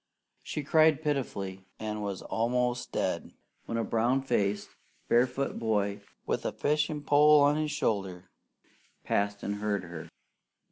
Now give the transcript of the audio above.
She cried pitifully, and was almost dead when a brown faced, barefoot boy, with a fishing pole on his shoulder, passed and heard her.